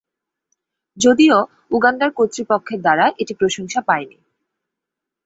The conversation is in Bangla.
যদিও উগান্ডার কর্তৃপক্ষের দ্বারা এটি প্রশংসা পায়নি।